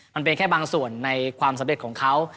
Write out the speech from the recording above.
มันเป็นแค่บางส่วนในความสำเร็จของเขา